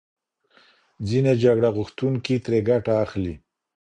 ځینې جګړه غوښتونکي ترې ګټه اخلي.